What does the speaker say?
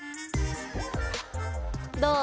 どう？